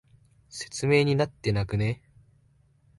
説明になってなくね？